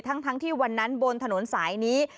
ทั้งที่วันนั้นบนถนนสายนี้